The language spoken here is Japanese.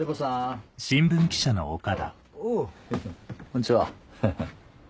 こんにちはハハ。